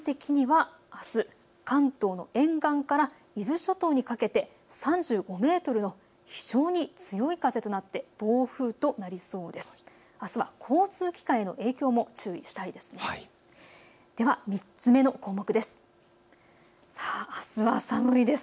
瞬間的にはあす、関東の沿岸から伊豆諸島にかけて３５メートルの非常に強い風となって暴風となりそうです。